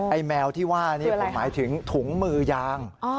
แมวที่ว่านี่ผมหมายถึงถุงมือยาง